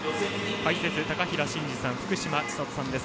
解説は、高平慎士さん福島千里さんです。